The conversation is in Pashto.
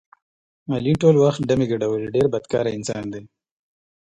علي ټول وخت ډمې ګډولې ډېر بدکاره انسان دی.